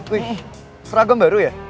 wih seragam baru ya